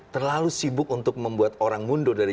terlalu sibuk untuk membuat orang mundur dari